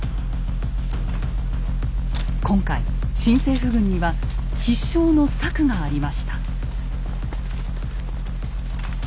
今回新政府軍には必勝の策がありました。